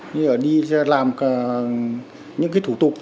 như là đi làm những cái thủ tục